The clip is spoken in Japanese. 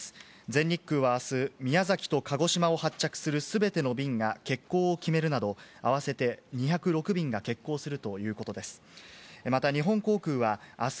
全日空はあす、宮崎と鹿児島を発着するすべての便が欠航を決めるなど、合わせて２０６便が欠航するということです。